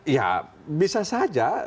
ya bisa saja